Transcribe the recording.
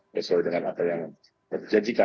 besar dengan apa yang berjanjikan